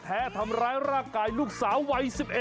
แท้ทำร้ายร่างกายลูกสาววัย๑๑